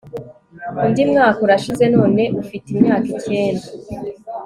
Undi mwaka urashize none ufite imyaka icyenda